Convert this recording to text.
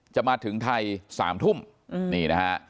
จะมาถึงไทย๓ทุ่มนี่นะฮะ